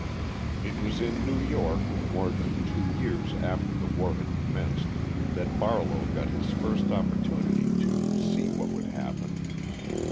It was in New York, more than two years after the war had commenced, that Barlow got his first opportunity to "see what would happen."